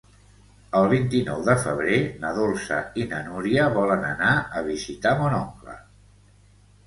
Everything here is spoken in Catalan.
El vint-i-nou de febrer na Dolça i na Núria volen anar a visitar mon oncle.